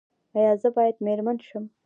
ایا زه باید میرمن شم؟